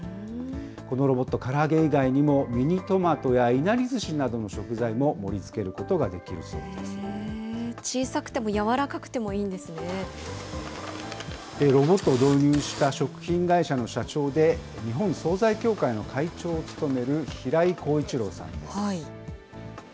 このロボット、から揚げ以外にもミニトマトやいなりずしなどの食材も盛りつけることができるそう小さくても、柔らかくてもいロボットを導入した食品会社の社長で、日本惣菜協会の会長を務める平井浩一郎さんです。